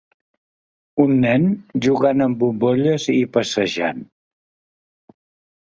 Un nen jugant amb bombolles i passejant.